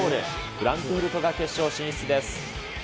フランクフルトが決勝進出です。